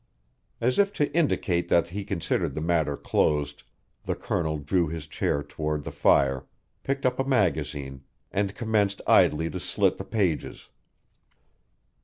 As if to indicate that he considered the matter closed, the Colonel drew his chair toward the fire, picked up a magazine, and commenced idly to slit the pages.